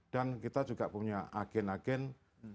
dan kita juga punya agen agen yang mana disitu juga peran juga